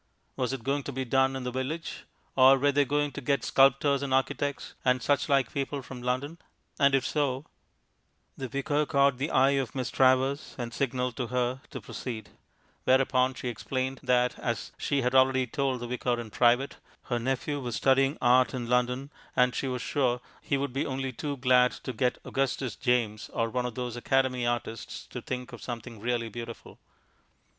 Was it going to be done in the village, or were they going to get sculptors and architects and such like people from London? And if so The Vicar caught the eye of Miss Travers, and signalled to her to proceed; whereupon she explained that, as she had already told the Vicar in private, her nephew was studying art in London, and she was sure he would be only too glad to get Augustus James or one of those Academy artists to think of something really beautiful.